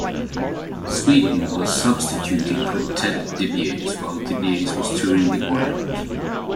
Sweetan was substituting for Ted Dibiase while Dibiase was touring the Orient.